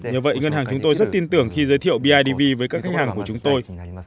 nhờ vậy ngân hàng chúng tôi rất tin tưởng khi giới thiệu bidv với các khách hàng của chúng tôi